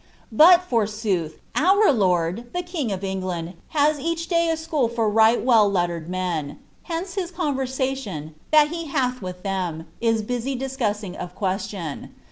Bot, forsooth, our lord the king of England has each day a school for H^ well lettered men ; hence his conversation, thai he halh with them, ii busy discussing of question.